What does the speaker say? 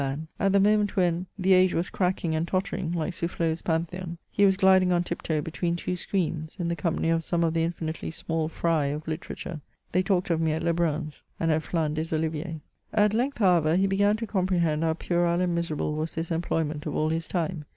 '^ 10 MEMOIRS OF the age was cracking and tottering, like Soufflofs Pantheon, he was gliding on tiptoe between two screens, in the company of some of the infinitely small fry of literature. "They talked of me at Lebrun's, and at Flins des Oliviers'." At length, however, he began to comprehend how puerile and miserable was this employment of all his time.